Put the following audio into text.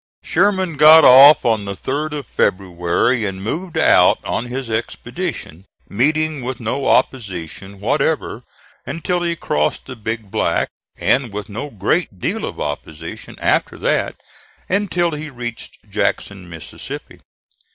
Sherman got off on the 3d of February and moved out on his expedition, meeting with no opposition whatever until he crossed the Big Black, and with no great deal of opposition after that until he reached Jackson, Mississippi.